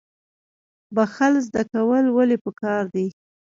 بخښل زده کول ولې پکار دي؟